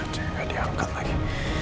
jangan diangkat lagi